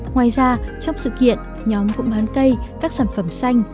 ngoài ra trong sự kiện nhóm cũng bán cây các sản phẩm xanh